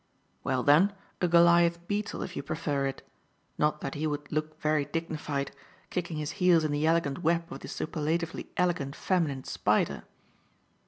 "Well, then, a Goliath beetle, if you prefer it; not that he would look very dignified, kicking his heels in the elegant web of the superlatively elegant feminine spider."